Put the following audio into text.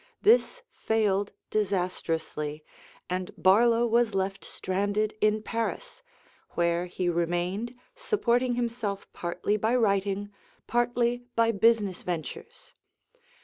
This failed disastrously, and Barlow was left stranded in Paris, where he remained, supporting himself partly by writing, partly by business ventures.